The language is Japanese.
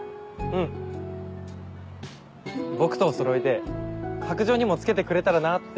僕とおそろいで白杖にも付けてくれたらなって。